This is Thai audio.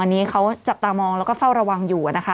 อันนี้เขาจับตามองแล้วก็เฝ้าระวังอยู่นะคะ